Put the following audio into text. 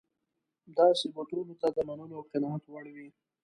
داسې به ټولو ته د منلو او قناعت وړ وي.